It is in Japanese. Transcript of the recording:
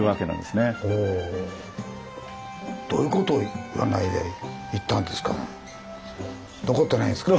どういうことを占いで言ったんですかね。